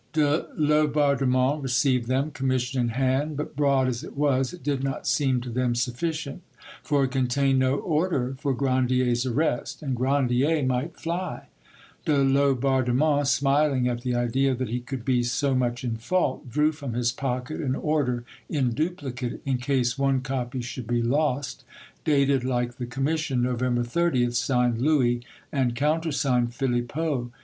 De Laubardemont received them, commission in hand, but broad as it was, it did not seem to them sufficient, for it contained no order for Grandier's arrest, and Grandier might fly. De Laubardemont, smiling at the idea that he could be so much in fault, drew from his pocket an order in duplicate, in case one copy should be lost, dated like the commission, November 30th, signed LOUIS, and countersigned PHILIPPEAUX.